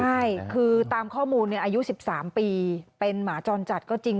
ใช่คือตามข้อมูลอายุ๑๓ปีเป็นหมาจรจัดก็จริง